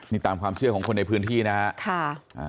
นี่ตามความเชื่อของคนในพื้นที่นะครับ